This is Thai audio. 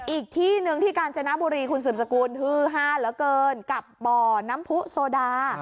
อีกที่หนึ่งที่กาญจนบุรีคุณสืบสกุลฮือฮาเหลือเกินกับบ่อน้ำผู้โซดา